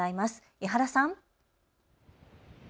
伊原さん。